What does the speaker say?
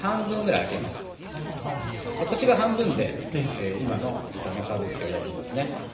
こっち側半分で今の豚のハーブ漬けを焼いていきますね。